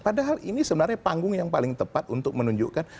padahal ini sebenarnya panggung yang paling tepat untuk menunjukkan